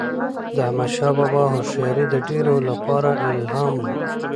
د احمدشاه بابا هوښیاري د ډیرو لپاره الهام و.